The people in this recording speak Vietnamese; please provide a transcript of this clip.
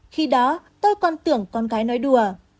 khi đó tôi còn tưởng con gái nói đùa